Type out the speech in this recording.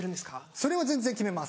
それは全然決めます